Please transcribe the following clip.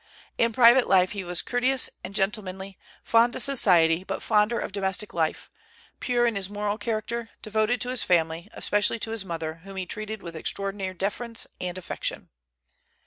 In private life he was courteous and gentlemanly, fond of society, but fonder of domestic life, pure in his moral character, devoted to his family, especially to his mother, whom he treated with extraordinary deference and affection.